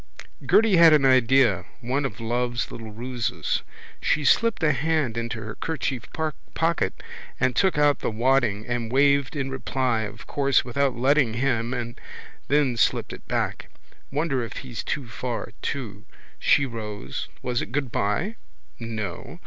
Gerty had an idea, one of love's little ruses. She slipped a hand into her kerchief pocket and took out the wadding and waved in reply of course without letting him and then slipped it back. Wonder if he's too far to. She rose. Was it goodbye? No.